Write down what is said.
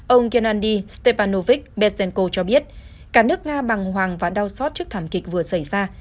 ông gennady stepanovich bezenko cho biết cả nước nga bằng hoàng và đau xót trước thảm kịch vừa xảy ra